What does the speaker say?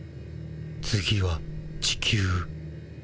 次は地球。